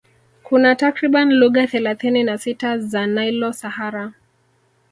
Kuna takriban lugha thelathini na sita za Nilo Sahara